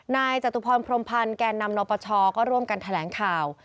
จตุพรพรมพันธ์แก่นำนปชก็ร่วมกันแถลงข่าว